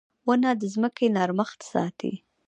• ونه د ځمکې نرمښت ساتي.